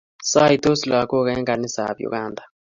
Saitos lakok eng kanisa ab uganda